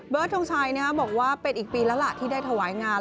ทงชัยบอกว่าเป็นอีกปีแล้วล่ะที่ได้ถวายงาน